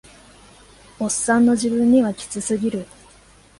オッサンの自分にはキツすぎる